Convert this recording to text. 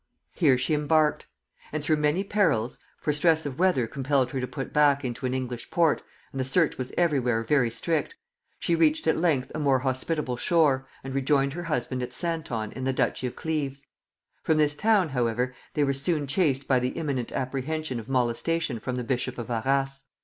Here she embarked; and through many perils, for stress of weather compelled her to put back into an English port, and the search was every where very strict, she reached at length a more hospitable shore, and rejoined her husband at Santon in the duchy of Cleves. From this town, however, they were soon chased by the imminent apprehension of molestation from the bishop of Arras.